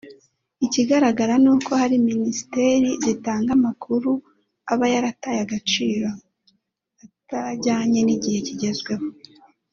Ikigaragara ni uko hari Minisiteri zitanga amakuru aba yarataye agaciro (atajyanye n’igihe kigezweho)